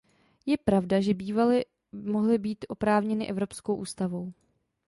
Je pravda, že bývaly mohly být oprávněny Evropskou ústavou.